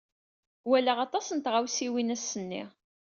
Walaɣ aṭas n tɣawsiwin ass-nni.